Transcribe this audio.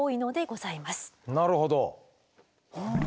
なるほど。